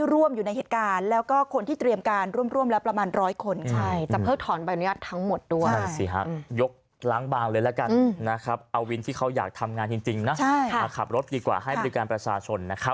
รายงานข่าวบอกว่าพนต